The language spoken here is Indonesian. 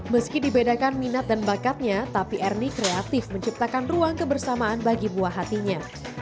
meski dibedakan minat dan bakatnya tapi ernie kreatif menciptakan ruang kebersamaan bagi buah hatinya